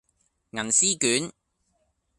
銀絲卷